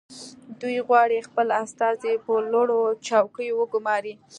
دوی غواړي خپل استازي په لوړو چوکیو وګماري